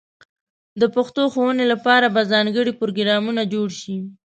د پښتو ښوونې لپاره به ځانګړې پروګرامونه جوړ شي.